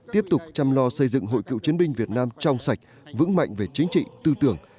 tiếp tục chăm lo xây dựng hội cựu chiến binh việt nam trong sạch vững mạnh về chính trị tư tưởng